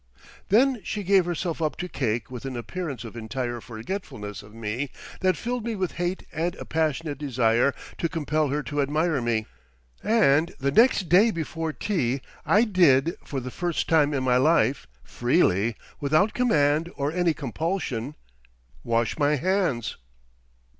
Then she gave herself up to cake with an appearance of entire forgetfulness of me that filled me with hate and a passionate desire to compel her to admire me.... And the next day before tea, I did for the first time in my life, freely, without command or any compulsion, wash my hands.